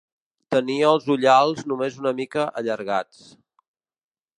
Tenia els ullals només una mica allargats.